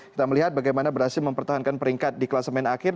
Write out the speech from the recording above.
kita melihat bagaimana berhasil mempertahankan peringkat di klasemen akhir